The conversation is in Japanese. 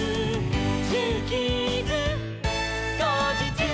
「ジューキーズ」「こうじちゅう！」